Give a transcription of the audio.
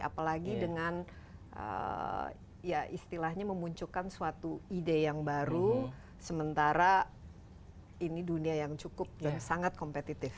apalagi dengan ya istilahnya memunculkan suatu ide yang baru sementara ini dunia yang cukup dan sangat kompetitif